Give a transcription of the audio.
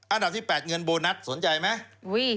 อันดับที่๘เงินโบนัสสนใจไหม